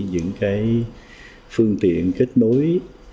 những cái phương tiện kết nối